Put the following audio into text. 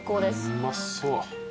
うまそう。